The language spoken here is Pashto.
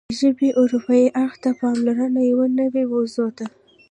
د ژبې اروايي اړخ ته پاملرنه یوه نوې موضوع ده